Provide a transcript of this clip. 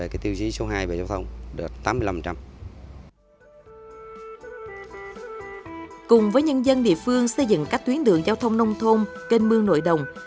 cùng với nhân dân địa phương xây dựng các tuyến đường giao thông nông thôn kênh mương nội đồng